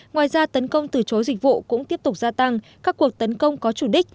ngoài ra tấn công từ chối dịch vụ cũng tiếp tục gia tăng các cuộc tấn công có chủ đích